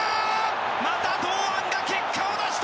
また堂安が結果を出した！